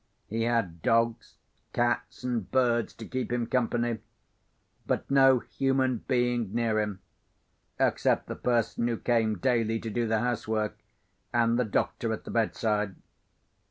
He had dogs, cats, and birds to keep him company; but no human being near him, except the person who came daily to do the house work, and the doctor at the bedside.